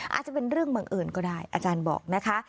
อาจจะเป็นเรื่องบังเอิญก็ได้อาจารย์บอกนะคะ